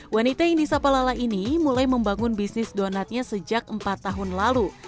wanita indisapa lala ini mulai membangun bisnis donutnya sejak empat tahun lalu